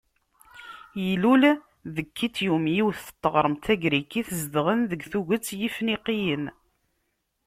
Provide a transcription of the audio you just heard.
Ilul deg Kityum, yiwet n teɣremt tagrikit zedɣen deg tuget Yefniqiyen.